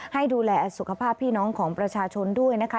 ให้ดูแลสุขภาพพี่น้องของประชาชนด้วยนะคะ